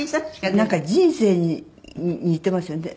なんか人生に似ていますよね。